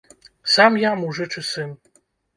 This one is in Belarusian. Сам я мужычы сын.